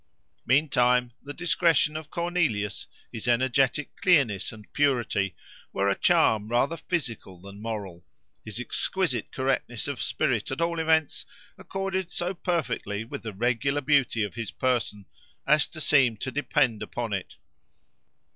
Meantime, the discretion of Cornelius, his energetic clearness and purity, were a charm, rather physical than moral: his exquisite correctness of spirit, at all events, accorded so perfectly with the regular beauty of his person, as to seem to depend upon it.